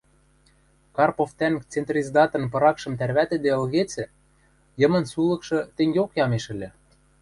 Карпов тӓнг Центриздатын пыракшым тӓрвӓтӹде ылгецӹ, «Йымын сулыкшы» тенгеок ямеш ыльы